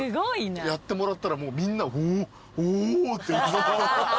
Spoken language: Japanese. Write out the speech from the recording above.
やってもらったらもうみんな「お！」って。